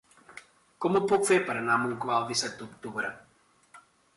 Com ho puc fer per anar a Montclar el disset d'octubre?